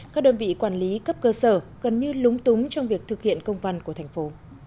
các đơn vị quản lý cấp cơ sở gần như lúng túng trong việc thực hiện công văn của thành phố